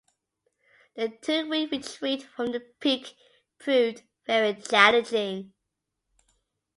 The two-week retreat from the peak proved very challenging.